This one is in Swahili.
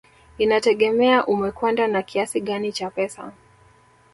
Inategemea umekwenda na kiasi gani cha pesa